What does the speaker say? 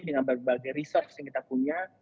dengan berbagai resource yang kita punya